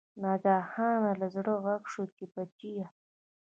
ناګهانه له زړه غږ شو چې بچیه!